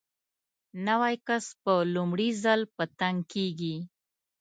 نوی کس په لومړي ځل په تنګ کېږي.